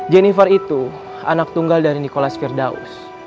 jennifer itu anak tunggal dari nikolas firdaus